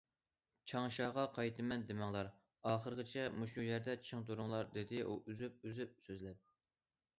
« چاڭشاغا قايتىمەن دېمەڭلار، ئاخىرغىچە مۇشۇ يەردە چىڭ تۇرۇڭلار» دېدى ئۇ ئۈزۈپ- ئۈزۈپ سۆزلەپ.